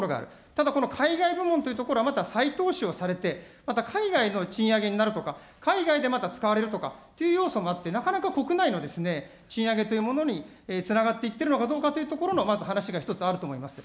ただ、この海外部門というところは再投資をされて、また海外の賃上げになるとか、海外でまた使われるとかという要素もあって、なかなか国内の賃上げというものにつながっていってるのかどうかというところのまず話が一つあると思います。